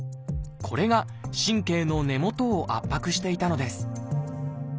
これが神経の根元を圧迫していたのです。